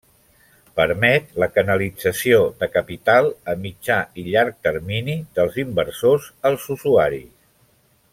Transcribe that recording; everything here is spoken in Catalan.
Permet la canalització de capital a mitjà i llarg termini dels inversors als usuaris.